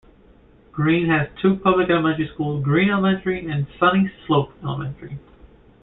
Green has two public elementary schools, Green Elementary and Sunnyslope Elementary.